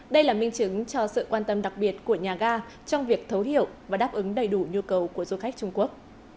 đây là minh chứng cho sự quan tâm đặc biệt của nhà ga trong việc thấu hiểu và đáp ứng đầy đủ nhu cầu của du khách trung quốc